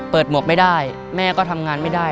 หมวกไม่ได้แม่ก็ทำงานไม่ได้